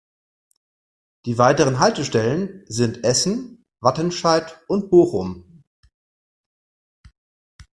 Die weiteren Haltestellen sind Essen, Wattenscheid und Bochum.